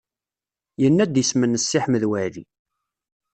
Yenna-d isem-nnes Si Ḥmed Waɛli.